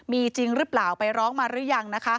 มีจริงรึเปล่าไปร้องมาหรือยัง